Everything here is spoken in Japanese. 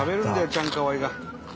チャンカワイが。